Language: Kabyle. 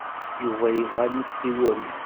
Yuba yebɣa ad nessiwel.